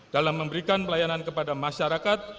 dalam memberikan pelayanan kepada masyarakat